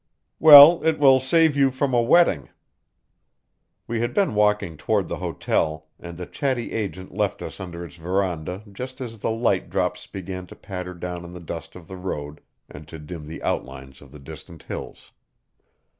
Well, it will save you from a wetting." We had been walking toward the hotel, and the chatty agent left us under its veranda just as the light drops began to patter down in the dust of the road, and to dim the outlines of the distant hills.